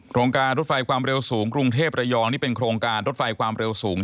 โครงการรถไฟความเร็วสูงกรุงเทพระยองนี่เป็นโครงการรถไฟความเร็วสูง